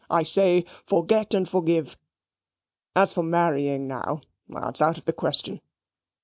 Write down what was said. I say, forget and forgive. As for marrying now, it's out of the question.